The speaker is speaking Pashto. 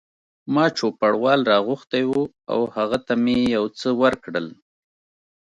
ما چوپړوال را غوښتی و او هغه ته مې یو څه ورکړل.